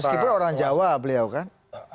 meskipun orang jawa beliau kan